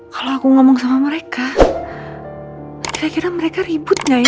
kalau aku ngomong sama mereka kira kira mereka ribut nggak ya